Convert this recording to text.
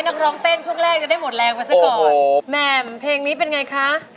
นักร้องเต้นช่วงแรกจะได้หมดแรงไปซะก่อนโอ้โหแหม่มเพลงนี้เป็นไงคะ